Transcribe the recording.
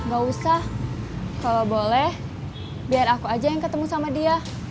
gak usah kalau boleh biar aku aja yang ketemu sama dia